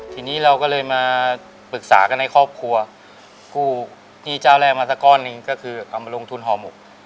ทีนี้เราก็เลยมาปรึกษากันในครอบครัวกู้หนี้เจ้าแรกมาสักก้อนหนึ่งก็คือเอามาลงทุนห่อหมก